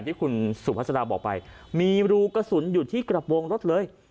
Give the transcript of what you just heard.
ที่คุณสุภาษาบอกไปมีรูกระสุนอยู่ที่กระโปรงรถเลย